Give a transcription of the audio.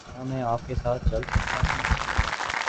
کیا میں آپ کے ساتھ چل سکتا ہوں؟